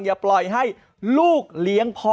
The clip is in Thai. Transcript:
อย่าปล่อยให้ลูกเลี้ยงพ่อ